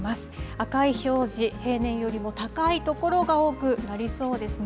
赤い表示、平年よりも高い所が多くなりそうですね。